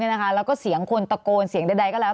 แล้วก็เสียงคนตะโกนเสียงใดก็แล้ว